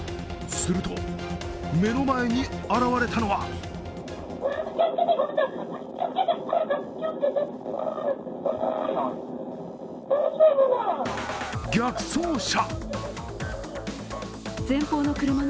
すると、目の前に現れたのは逆走車。